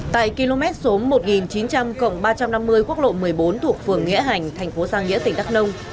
tại km số một nghìn chín trăm linh ba trăm năm mươi quốc lộ một mươi bốn thuộc phường nghĩa hành thành phố giang nghĩa tỉnh đắk nông